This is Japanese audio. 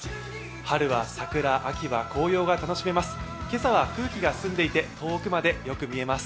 春は桜、秋は紅葉が楽しめます。